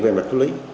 về mặt lý